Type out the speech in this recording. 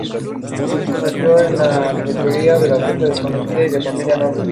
Nació en Antioquía en fecha desconocida y de familia noble.